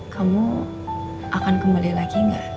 kamu akan kembali lagi nggak